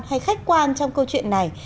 hay khách quan trong câu chuyện này